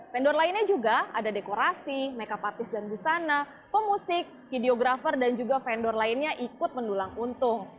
vendor lainnya juga ada dekorasi makeup artis dan busana pemusik videographer dan juga vendor lainnya ikut mendulang untung